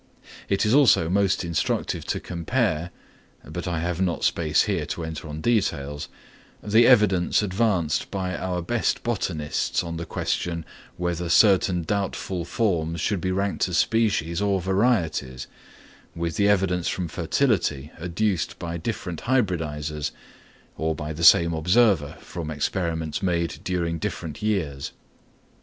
It is also most instructive to compare—but I have not space here to enter on details—the evidence advanced by our best botanists on the question whether certain doubtful forms should be ranked as species or varieties, with the evidence from fertility adduced by different hybridisers, or by the same observer from experiments made during different years.